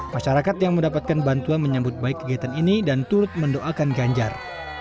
masyarakat yang mendapatkan bantuan menyambut baik kegiatan ini dan turut mendoakan ganjar